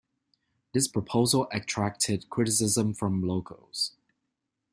This proposal attracted criticism from locals.